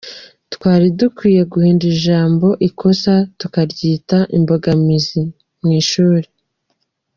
Twari dukwiye guhindura ijambo “ikosa” tukaryita “imbogamizi”mu ishuri.